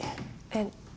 えっ？